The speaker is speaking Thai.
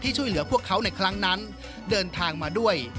ช่วยเหลือพวกเขาในครั้งนั้นเดินทางมาด้วย